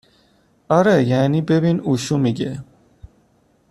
آره، یعنی ببین اوشو می گه